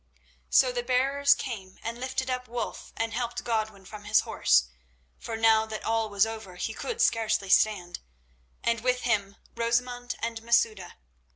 So the bearers came and lifted up Wulf, and helped Godwin from his horse—for now that all was over he could scarcely stand—and with him Rosamund and Masouda.